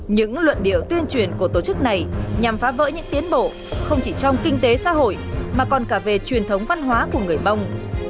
những luận điệu tuyên truyền của tổ chức này nhằm phá vỡ những tiến bộ không chỉ trong kinh tế xã hội mà còn cả về truyền thống văn hóa của người mông